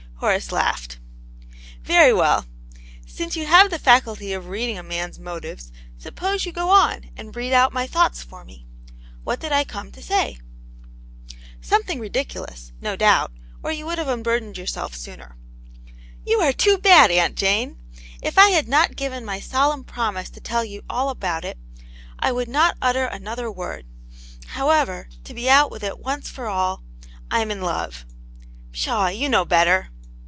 Horace laughed. "Very well. Since you have the faculty of read ing a man's motives, suppose you go on and read out my thoughts for me. What did I come to say }" "Something ridiculous, no doubt, or you would have unburdened yourself sooner." " You are too bad. Aunt Jane. If I had not given my solemn promise to tell you all about it, I would not utter another word. However, to be out with it once for all— I'm in love !"" Pshaw ; you know better."